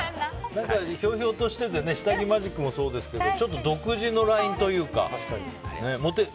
ひょうひょうとしてて下着マジックもそうですが独自のラインというかね。